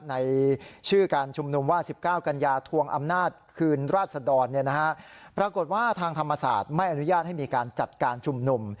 ในชื่อการชุมนุมว่า๑๙กันยาทวงอำนาจคืนราชดรปรากฏว่าทางธรรมศาสตร์ไม่อนุญาตให้มีการจัดการชุมนุม